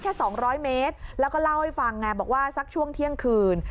๒๐๐เมตรแล้วก็เล่าให้ฟังไงบอกว่าสักช่วงเที่ยงคืน